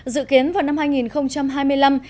dự kiến vào năm hai nghìn hai mươi năm